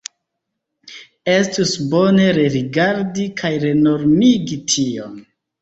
Estus bone rerigardi kaj renormigi tion.